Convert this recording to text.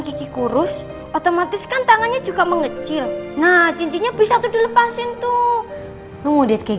lagi kurus otomatis kan tangannya juga mengecil nah cincinnya bisa dilepasin tuh lu mau diet kayak